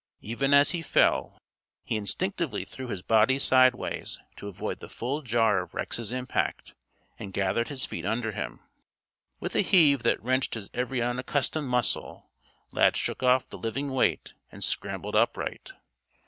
Even as he fell, he instinctively threw his body sideways to avoid the full jar of Rex's impact and gathered his feet under him. With a heave that wrenched his every unaccustomed muscle, Lad shook off the living weight and scrambled upright.